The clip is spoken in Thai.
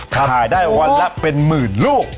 ขายได้วันละเป็นหมื่นลูก